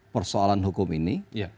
persoalan hukum ini